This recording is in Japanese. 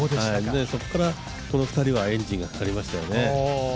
そこからこの２人はエンジンがかかりましたよね。